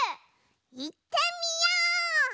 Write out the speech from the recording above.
いってみよう！